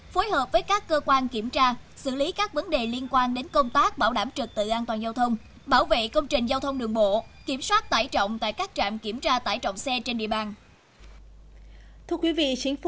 phối hợp với các cơ quan kiểm tra xử lý các vấn đề liên quan đến công tác bảo đảm trực tự an toàn giao thông bảo vệ công trình giao thông đường bộ kiểm soát tải trọng tại các trạm kiểm tra tải trọng xe trên địa bàn